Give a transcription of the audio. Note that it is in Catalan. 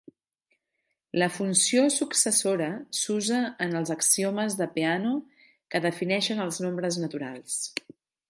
La funció successora s'usa en els axiomes de Peano que defineixen els nombres naturals.